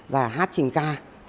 và hát sỉnh ca